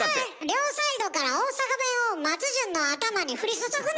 両サイ両サイドから大阪弁を松潤の頭にふり注ぐな！